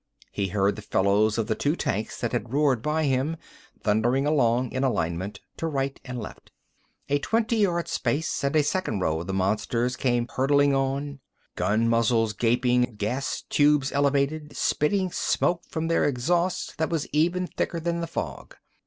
He heard the fellows of the two tanks that had roared by him, thundering along in alignment to right and left. A twenty yard space, and a second row of the monsters came hurtling on, gun muzzles gaping, gas tubes elevated, spitting smoke from their exhausts that was even thicker than the fog.